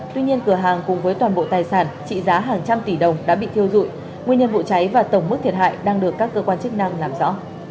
tuy nhiên cửa hàng cùng với toàn bộ tài sản trị giá hàng trăm tỷ đồng đã bị thiêu dụi nguyên nhân vụ cháy và tổng mức thiệt hại đang được các cơ quan chức năng làm rõ